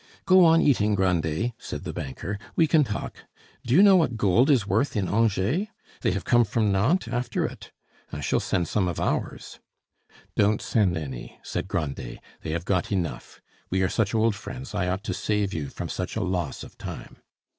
"Go on eating, Grandet," said the banker; "we can talk. Do you know what gold is worth in Angers? They have come from Nantes after it? I shall send some of ours." "Don't send any," said Grandet; "they have got enough. We are such old friends, I ought to save you from such a loss of time."